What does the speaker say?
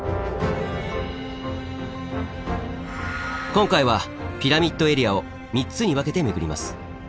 今回はピラミッドエリアを３つに分けて巡ります。